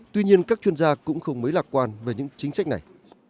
tuy nhiên các chuyên gia cũng không mấy lạc quan về những chính sách này